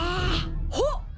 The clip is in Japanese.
ほっ！